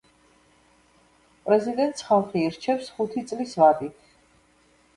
პრეზიდენტს ხალხი ირჩევს ხუთი წლის ვადით.